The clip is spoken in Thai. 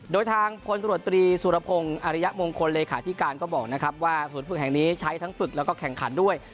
โดยทางพลตรวจตรีสุรพงศ์อริยมงคลเลขาธิการก็บอกนะครับว่าศูนย์ฝึกแห่งนี้ใช้ทั้งฝึกแล้วก็แข่งขันด้วย